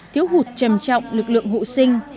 thiếu hụt trầm trọng lực lượng hộ sinh